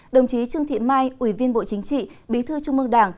đồng chí trương thị mai ủy viên bộ chính trị bí thư trung mương đảng